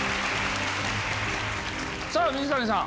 さぁ水谷さん！